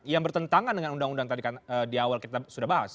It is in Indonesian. yang bertentangan dengan undang undang tadi kan di awal kita sudah bahas